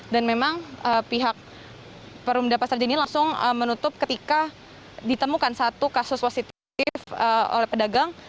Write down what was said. memang pihak perumda pasar jaya ini langsung menutup ketika ditemukan satu kasus positif oleh pedagang